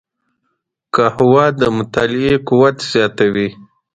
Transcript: قهوه د مطالعې قوت زیاتوي